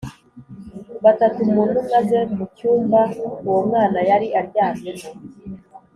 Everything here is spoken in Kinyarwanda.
batatu mu ntumwa ze mu cyumba uwo mwana yari aryamyemo